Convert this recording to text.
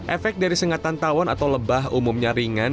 efek dari sengatan tawon atau lebah umumnya ringan